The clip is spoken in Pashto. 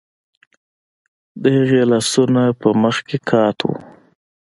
د هغې لاسونه په مخ کې قات وو